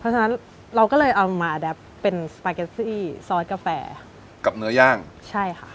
เพราะฉะนั้นเราก็เลยเอามาแดปเป็นสปาเกตซี่ซอสกาแฟกับเนื้อย่างใช่ค่ะ